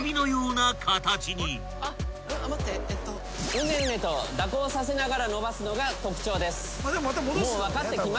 うねうねと蛇行させながら延ばすのが特徴です。